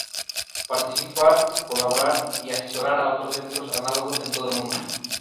Participar, colaborar y asesorar a otros centros análogos en todo el mundo.